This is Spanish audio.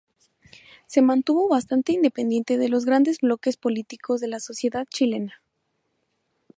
Se mantuvo bastante independiente de los grandes bloques políticos de la sociedad chilena.